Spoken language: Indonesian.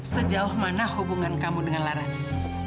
sejauh mana hubungan kamu dengan laras